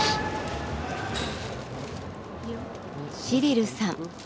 シリルさん